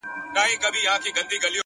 زما زما د ژوند لپاره ژوند پرې ايښی’